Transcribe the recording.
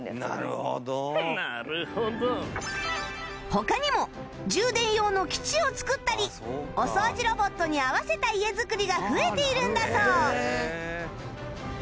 他にも充電用の基地を作ったりお掃除ロボットに合わせた家づくりが増えているんだそう